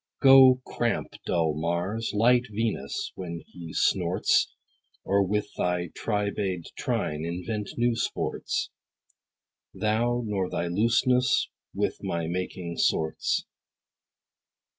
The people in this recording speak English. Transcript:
Go, cramp dull Mars, light Venus, when he snorts, Or, with thy tribade trine, invent new sports ; Thou nor thy looseness with my making sorts.